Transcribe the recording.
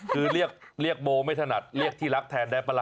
คือเรียกโบไม่ถนัดเรียกที่รักแทนได้ปะล่ะ